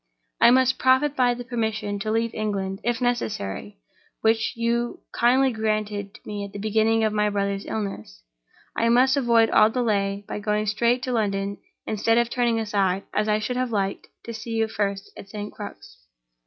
I must profit by the permission to leave England, if necessary, which you kindly granted to me at the beginning of my brother's illness, and I must avoid all delay by going straight to London, instead of turning aside, as I should have liked, to see you first at St. Crux.